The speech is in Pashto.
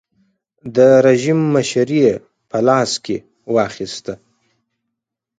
د رژیم مشري یې په لاس کې واخیسته.